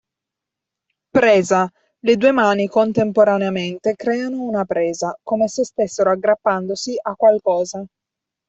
Presa: le due mani contemporaneamente creano una presa, come se stessero aggrappandosi a qualcosa.